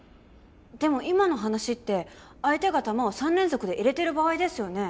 でも今の話って相手が弾を３連続で入れてる場合ですよね？